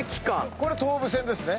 これ東武線ですね。